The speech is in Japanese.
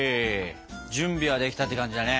準備はできたって感じだね。